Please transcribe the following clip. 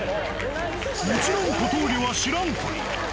もちろん小峠は知らんぷり。